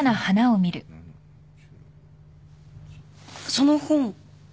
その本。